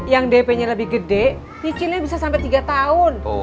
yang dp nya lebih gede kicilnya bisa sampai tiga tahun